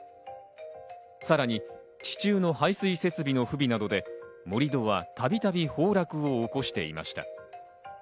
さらに地中の排水設備の不備などで盛り土はたびたび崩落を起こしていました。